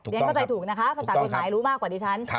เดี๋ยวก็จะถูกนะคะภาษาผิดหมายรู้มากกว่าดิฉัน